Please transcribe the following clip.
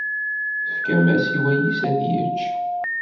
Tefkam-as i wayis ad yečč?